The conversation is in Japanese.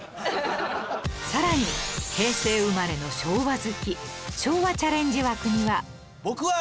さらに平成生まれの昭和好き昭和チャレンジ枠には